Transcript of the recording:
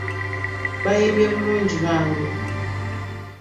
Bayiimbye bulungi bambi.